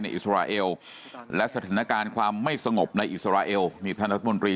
อิสราเอลและสถานการณ์ความไม่สงบในอิสราเอลนี่ท่านรัฐมนตรี